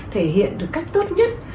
thể hiện được cách tốt nhất